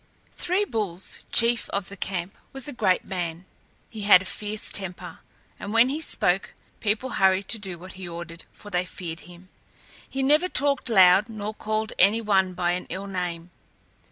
Three Bulls, chief of the camp, was a great man. He had a fierce temper, and when he spoke, people hurried to do what he ordered, for they feared him. He never talked loud nor called any one by an ill name.